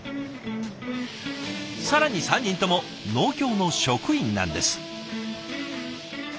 更に３人とも農協の職員なんです。